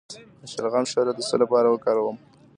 د شلغم شیره د څه لپاره وکاروم؟